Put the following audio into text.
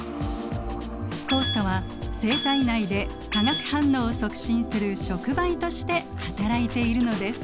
酵素は生体内で化学反応を促進する触媒としてはたらいているのです。